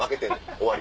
終わり。